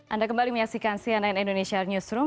anda kembali menyaksikan cnn indonesia newsroom